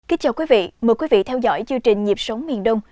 kính chào quý vị mời quý vị theo dõi chương trình nhịp sống miền đông